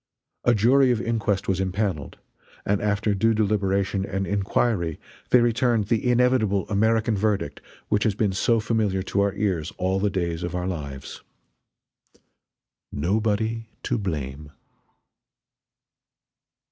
A jury of inquest was impaneled, and after due deliberation and inquiry they returned the inevitable American verdict which has been so familiar to our ears all the days of our lives "NOBODY TO BLAME."